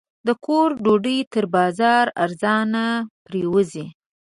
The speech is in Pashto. د کور ډوډۍ تر بازاره ارزانه پرېوځي.